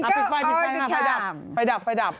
อ่ะปิดไฟมาไฟดับ